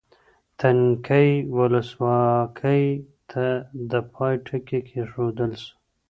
تنکۍ ولسواکۍ ته د پای ټکی کېښودل سو.